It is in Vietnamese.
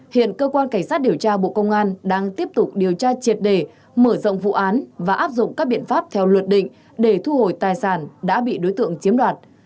hiện cơ quan cảnh sát điều tra bộ công an đang tiếp tục điều tra triệt đề mở rộng vụ án và áp dụng các biện pháp theo luật định để thu hồi tài sản đã bị đối tượng chiếm đoạt